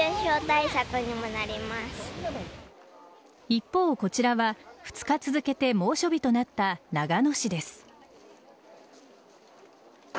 一方、こちらは２日続けて猛暑日となった長野市です。